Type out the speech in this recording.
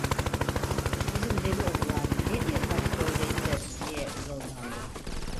"Bizim deli oğlan ne diye kaçtı öyleyse?" diye mırıldandı.